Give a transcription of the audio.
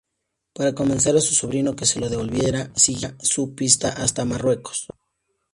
Para convencer a su sobrino que se lo devolviera, sigue su pista hasta Marruecos.